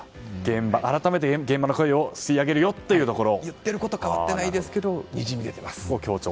改めて現場の声を吸い上げるよというところ。